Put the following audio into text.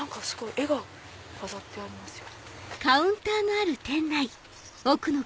絵が飾ってありますよ。